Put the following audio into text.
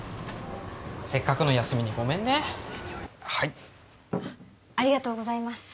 せっかくの休みにごめんねはいありがとうございます